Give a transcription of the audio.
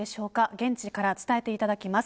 現地から伝えていただきます。